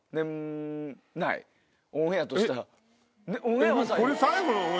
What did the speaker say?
オンエアとしたら。